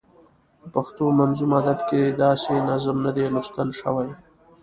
په پښتو منظوم ادب کې داسې نظم نه دی لوستل شوی.